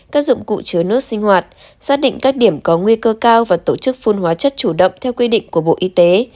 các dụng cụ chứa nước sinh hoạt xác định các điểm có nguy cơ cao và tổ chức phun hóa chất chủ động theo quy định của bộ y tế